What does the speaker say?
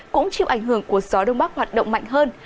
cũng chịu ảnh hưởng của gió đông bắc hoạt động mạnh hơn